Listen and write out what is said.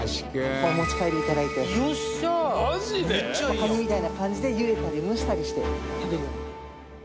カニみたいな感じで茹でたり蒸したりして食べる。